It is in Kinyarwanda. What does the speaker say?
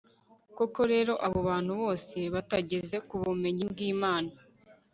koko rero, abo bantu bose batageze ku bumenyi bw'imana